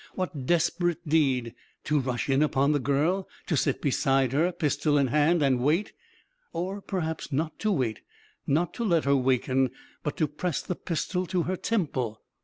What desperate deed ? To rush in upon the girl ■— to sit beside her, pistol in hand, and wait •.. Or, perhaps, not to wait, not to let her waken, but to press the pistol to her temple